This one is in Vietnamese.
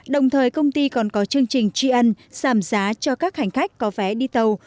đồng thời công ty còn có chương trình tri ân giảm giá cho các hành khách có vé đi tàu